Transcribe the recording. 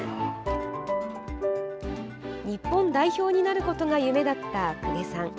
日本代表になることが夢だった公家さん。